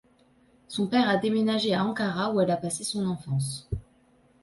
Son père a déménagé à Ankara où elle a passé son enfance.